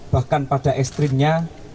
bahkan pada ekstrimnya